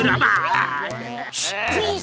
diam ikut aja